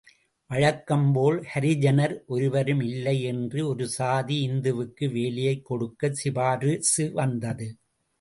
வழக்கம்போல் ஹரிஜனர் ஒருவரும் இல்லை என்று ஒரு சாதி இந்துவுக்கு வேலையைக் கொடுக்க சிபாரிசு வந்தது.